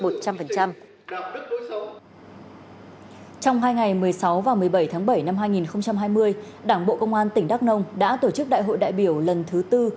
trong hai ngày một mươi sáu và một mươi bảy tháng bảy năm hai nghìn hai mươi đảng bộ công an tỉnh đắk nông đã tổ chức đại hội đại biểu lần thứ tư